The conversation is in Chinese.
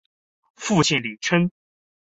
父亲李晟。